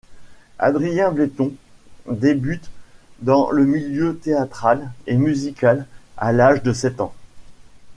Adrien Bletton débute dans le milieu théâtral et musical à l'âge de sept ans.